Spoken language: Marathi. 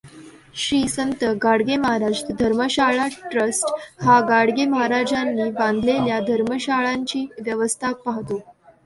श्री संत गाडगे महाराज धर्मशाळा ट्रस्ट हा गाडगे महाराजांनी बांधलेल्या धर्मशाळांची व्यवस्था पाहतो.